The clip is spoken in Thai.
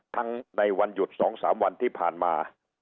ในวันหยุด๒๓วันที่ผ่านมา